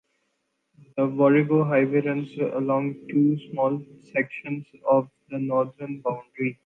The Warrego Highway runs along two small sections of the northern boundary.